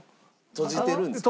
閉じてるんですか？